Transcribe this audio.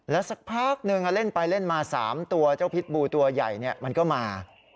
สักพักหนึ่งเล่นไปเล่นมา๓ตัวเจ้าพิษบูตัวใหญ่มันก็มา